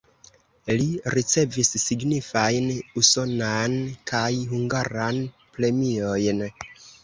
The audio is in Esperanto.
Li ricevis signifajn usonan kaj hungaran premiojn.